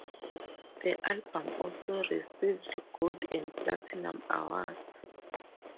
The album also received gold and platinum awards.